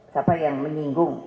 siapa yang menyinggung